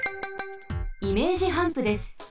イメージハンプです。